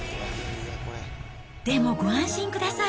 でもご安心ください。